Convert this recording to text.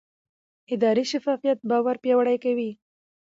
اداري شفافیت باور پیاوړی کوي